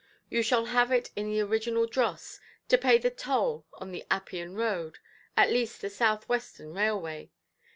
You shall have it in the original dross, to pay the toll on the Appian road, at least the South–Western Railway.